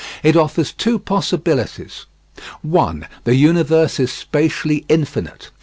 It offers two possibilities: 1. The universe is spatially infinite.